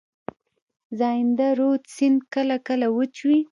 زاینده رود سیند کله کله وچ وي.